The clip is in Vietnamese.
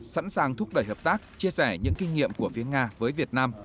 sẵn sàng thúc đẩy hợp tác chia sẻ những kinh nghiệm của phía nga với việt nam